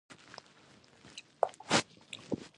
د بیوزلۍ په کمولو کې مرسته کوي.